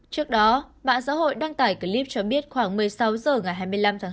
trước đó mạng xã hội đăng tải clip cho biết khoảng một mươi sáu h ngày hai mươi năm tháng sáu